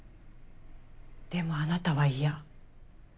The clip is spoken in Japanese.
でもあなたは嫌。